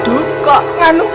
aduh kok ngaluk